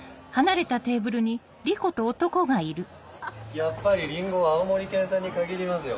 やっぱりリンゴは青森県産に限りますよ。